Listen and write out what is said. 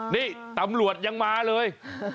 นี่ตำรวจยังมาเลย